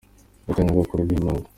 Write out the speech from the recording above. gatoya na gakuru ni impanga.